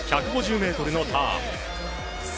１５０ｍのターン。